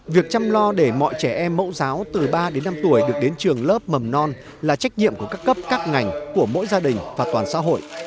việc chăm lo để mọi trẻ em mẫu giáo từ ba đến năm tuổi được đến trường lớp mầm non là trách nhiệm của các cấp các ngành của mỗi gia đình và toàn xã hội